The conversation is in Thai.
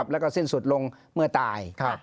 แล้วก็สิ้นสุดลงเมื่อตาย